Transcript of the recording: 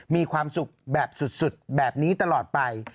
มีความสุขแบบสุดแบบนี้ตลอดไป